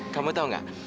kamu tau nggak